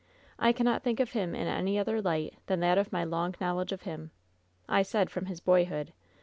I cannot think of him in any other light than that of my long knowledge of him — I said from his boyhood.